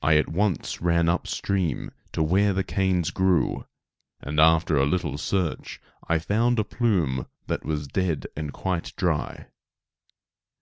I at once ran up stream to where the canes grew, and after a little search I found a plume that was dead and quite dry.